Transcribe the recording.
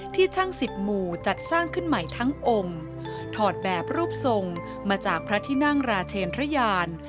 ที่ช่างสิบหมู่จัดสร้างขึ้นใหม่ทั้งองค์ถอดแบบรูปทรงมาจากพระที่นั่งราชเชนพระยาน